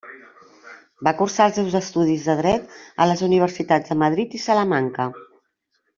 Va cursar els seus estudis de dret a les Universitats de Madrid i Salamanca.